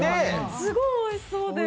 すごいおいしそうで。